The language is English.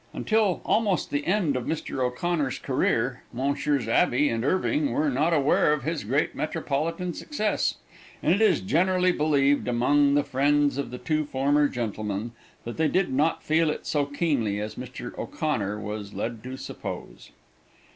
Until almost the end of Mr. O'Connor's career, Messrs. Abbey and Irving were not aware of his great metropolitan success, and it is generally believed among the friends of the two former gentlemen that they did not feel it so keenly as Mr. O'Connor was led to suppose.